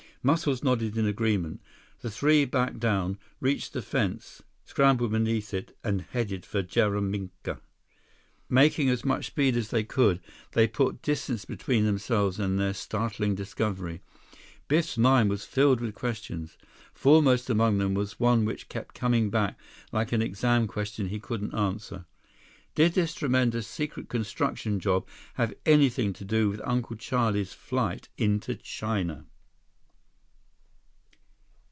Muscles nodded in agreement. The three backed down, reached the fence, scrambled beneath it, and headed for Jaraminka. Making as much speed as they could, they put distance between themselves and their startling discovery. Biff's mind was filled with questions. Foremost among them was one which kept coming back like an exam question he couldn't answer. Did this tremendous, secret construction job have anything to do with Uncle Charlie's flight into China?